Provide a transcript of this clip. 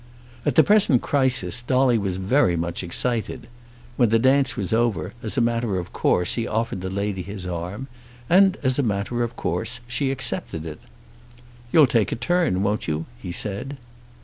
At the present crisis Dolly was very much excited. When the dance was over, as a matter of course, he offered the lady his arm, and as a matter of course she accepted it. "You'll take a turn; won't you?" he said.